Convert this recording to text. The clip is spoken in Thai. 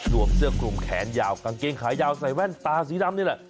เสื้อกลุ่มแขนยาวกางเกงขายาวใส่แว่นตาสีดำนี่แหละ